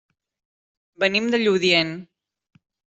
Venim de Lludient.